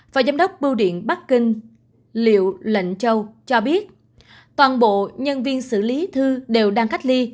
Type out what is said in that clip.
và giám đốc bưu điện bắc kinh liệu lệnh châu cho biết toàn bộ nhân viên xử lý thư đều đang cách ly